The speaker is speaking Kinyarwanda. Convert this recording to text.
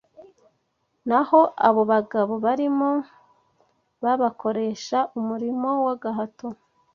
Naho abo bagabo barimo babakoresha umurimo w’agahato